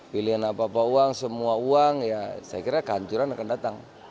pilihan apa apa uang semua uang ya saya kira kehancuran akan datang